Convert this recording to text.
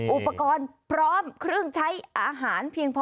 อุปกรณ์พร้อมเครื่องใช้อาหารเพียงพอ